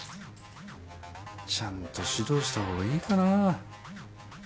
ちゃんと指導したほうがいいかな。